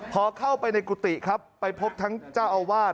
พอเข้าไปในกุฏิครับไปพบทั้งเจ้าอาวาส